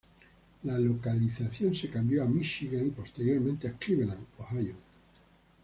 La localización se cambió a Michigan y posteriormente a Cleveland, Ohio.